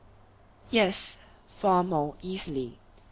Yes, far more easily.